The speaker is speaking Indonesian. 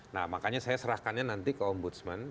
nah makanya saya serahkannya nanti ke ombudsman